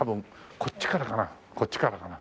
こっちからかな？